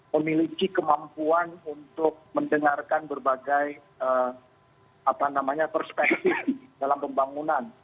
memiliki kemampuan untuk mendengarkan berbagai perspektif dalam pembangunan